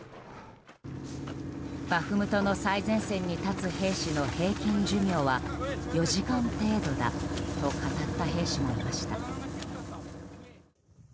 バフムトの最前線に立つ兵士の平均寿命は４時間程度だと語った兵士もいました。